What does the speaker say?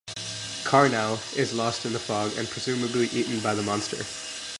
Karnow is lost in the fog and presumably eaten by the monster.